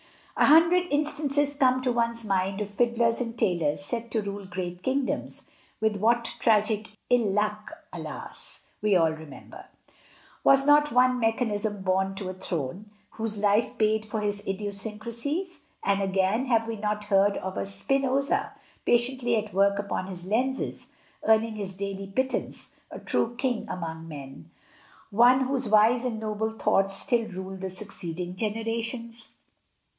A hundred instances come to one's mind of fiddlers and tailors set to rule great kingdoms, with what tragic ill luck, alas! we all remember. Was not one mechanician bom to a throne, whose life paid for his idiosyncrasies? And, again, have we not heard of a Spinoza patiently at work upon his lenses earning his daily pittance, a true king among men, one whose wise and noble thoughts still rule the succeeding generations?